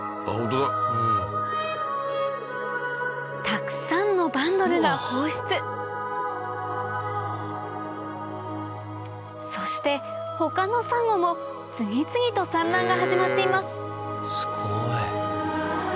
たくさんのバンドルが放出そして他のサンゴも次々と産卵が始まっていますすごい！